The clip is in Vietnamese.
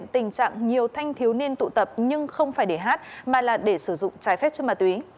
tình trạng nhiều thanh thiếu niên tụ tập nhưng không phải để hát mà là để sử dụng trái phép chất ma túy